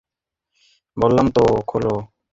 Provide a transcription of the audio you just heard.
স্বাভাবিক রয়েছে দুই দেশের মধ্যে যাত্রী পারাপারও।